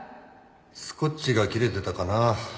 スコッチが切れてたかなぁ。